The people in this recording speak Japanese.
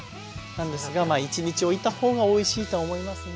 なんですが１日おいた方がおいしいとは思いますね。